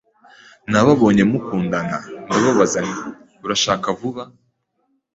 Nababonye mukundana, ndababaza nti: "Urashaka vuba?"